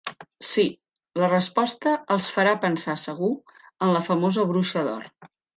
Sí, la resposta els farà pensar segur en la famosa Bruixa d'Or.